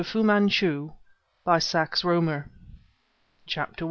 FU MANCHU By Sax Rohmer CHAPTER I.